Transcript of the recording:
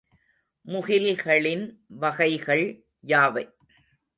முகில்களின் வகைகள் யாவை?